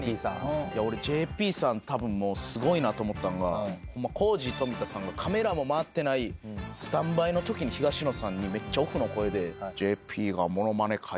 俺ＪＰさんすごいなと思ったんがコージー冨田さんがカメラも回ってないスタンバイのときに東野さんにめっちゃオフの声で。って言ってました。